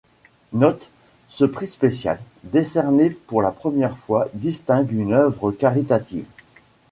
Note: Ce prix spécial, décerné pour la première fois, distingue une œuvre caritative.